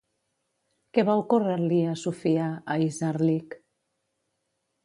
Què va ocórrer-li a Sophia a Hisarlik?